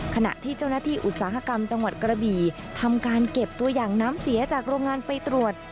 ขณะที่เจ้าหน้าที่อุตสาหกรรมจังหวัดกระบี่ทำการเก็บตัวอย่างน้ำเสียจากโรงงานไปตรวจ